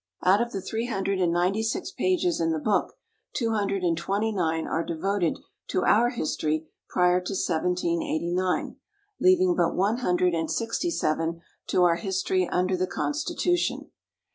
Out of the three hundred and ninety six pages in the book, two hundred and twenty nine are devoted to our history prior to 1789, leaving but one hundred and sixty seven to our history under the Constitution.